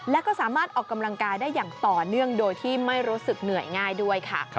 แล้วก็สามารถออกกำลังกายได้อย่างต่อเนื่องโดยที่ไม่รู้สึกเหนื่อยง่ายด้วยค่ะ